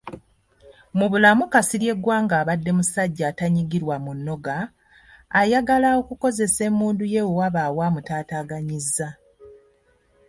Mu bulamu Kasirye Gwanga abadde musajja atanyigirwa mu nnoga, ayagala okukozesa emmundu ye we wabaawo amutaataaganyizza.